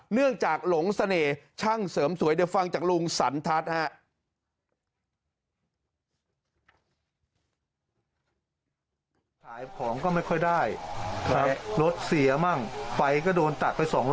จากหลงเสน่ห์ช่างเสริมสวยเดี๋ยวฟังจากลุงสันทัศน์ฮะ